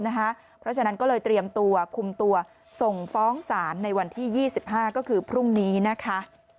เพราะฉะนั้นก็เลยเตรียมตัวคุมตัวส่งฟ้องศาลในวันที่๒๕ก็คือพรุ่งนี้นะคะ